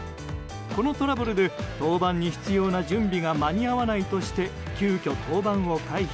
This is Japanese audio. このトラブルで登板に必要な準備が間に合わないとして急きょ登板を回避。